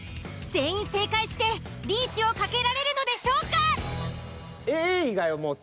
全員正解してリーチをかけられるのでしょうか？